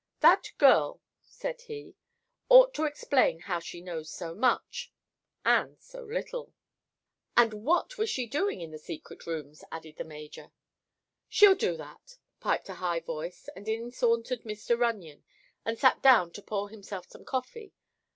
"That girl," said he, "ought to explain how she knows so much—and so little." "And what she was doing in the secret rooms," added the major. "She'll do that," piped a high voice, and in sauntered Mr. Runyon and sat down to pour himself some coffee.